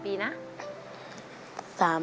ปีนะ